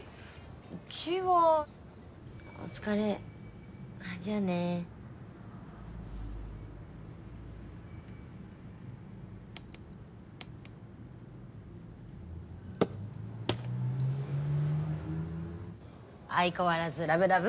うちはお疲れじゃあね相変わらずラブラブ？